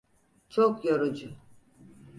Çok yorucu.